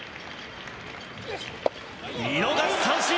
見逃し三振！